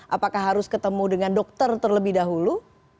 apakah harus ketemu dengan dokter terlebih dahulu